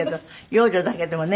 養女だけでもね